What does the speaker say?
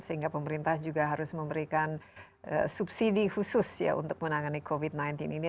sehingga pemerintah juga harus memberikan subsidi khusus ya untuk menangani covid sembilan belas ini